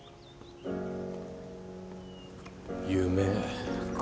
夢か。